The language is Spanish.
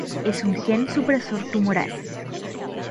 Es un gen supresor tumoral.